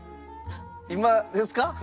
今ですか？